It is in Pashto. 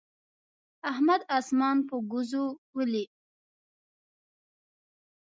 احمد اسمان په ګوزو ولي.